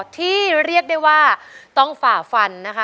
ที่เรียกได้ว่าต้องฝ่าฟันนะคะ